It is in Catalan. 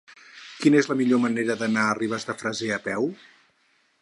Quina és la millor manera d'anar a Ribes de Freser a peu?